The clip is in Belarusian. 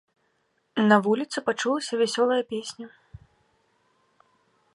На вуліцы пачулася вясёлая песня.